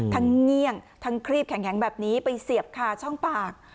ทั้งเงี่ยงทั้งคลีบแข็งแข็งแบบนี้ไปเสียบค่าช่องปาก